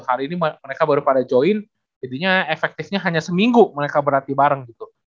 hari ini mereka baru pada join jadinya efektifnya hanya seminggu mereka berlatih bareng gitu